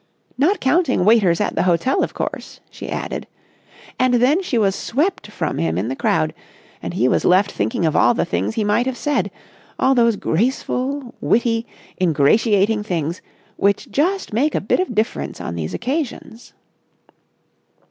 "Not counting waiters at the hotel, of course," she added. And then she was swept from him in the crowd, and he was left thinking of all the things he might have said—all those graceful, witty, ingratiating things which just make a bit of difference on these occasions.